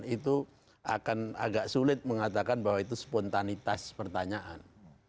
itu akan agak sulit mengatakan bahwa itu spontanitas pertanyaan